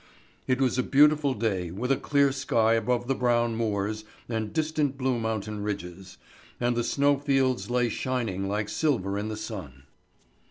It was a beautiful day, with a clear sky above the brown moors and distant blue mountain ridges, and the snow fields lay shining like silver in the sun.